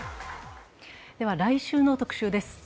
来週の「特集」です。